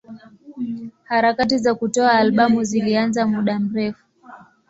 Harakati za kutoa albamu zilianza muda mrefu.